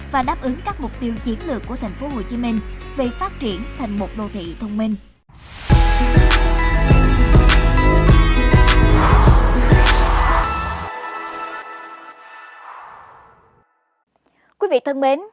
và đáp ứng các mục tiêu chiến lược của thành phố hồ chí minh về phát triển thành một đô thị thông minh